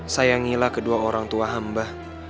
sayangilah kedua orang tua hamba